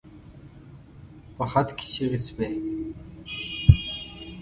په خط کې چيغې شوې.